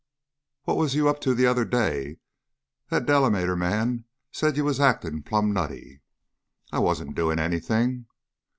"What was you up to the other day? That Delamater man said you was acting plumb nutty." "I wasn't doin' anything."